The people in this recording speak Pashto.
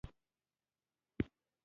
آیا خریداري کور ته رسیږي؟